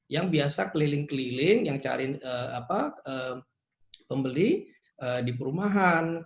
yang biasa keliling keliling yang cari pembeli di perumahan